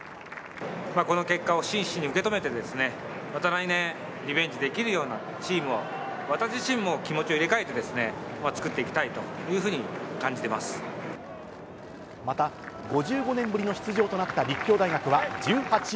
この結果を真摯に受け止めて、また来年、リベンジできるようなチームを、私自身も気持ちを入れ替えて作っていきたいというふうに感じていまた、５５年ぶりの出場となった立教大学は１８位。